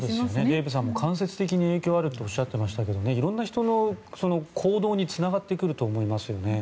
デーブさんも間接的に影響があるとおっしゃっていましたがいろんな人の行動につながってくると思いますね。